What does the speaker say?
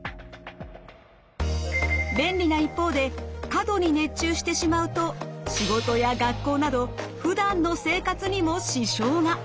便利な一方で過度に熱中してしまうと仕事や学校などふだんの生活にも支障が。